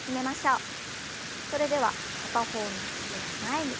それでは片方の脚を前に。